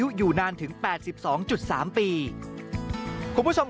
กลับวันนั้นไม่เอาหน่อย